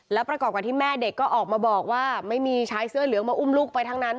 แล้วประกอบกับที่แม่เด็กก็ออกมาบอกว่าไม่มีชายเสื้อเหลืองมาอุ้มลูกไปทั้งนั้น